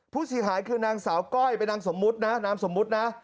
ผู้สินหายคือนางสาวก้อยเป็นนางสมมุตรนะ